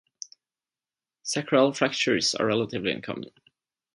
Sacral fractures are relatively uncommon.